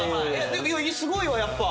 でもすごいわやっぱ！